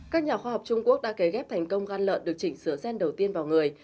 các nhà khoa học trung quốc đã cấy ghép thành công gan lợn được chỉnh sửa gen đầu tiên vào người